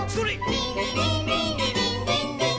「リンリリンリンリリンリンリン」